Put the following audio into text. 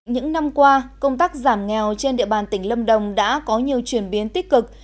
những năm qua công tác giảm nghèo trên địa bàn tỉnh lâm đồng đã có nhiều chuyển biến tích cực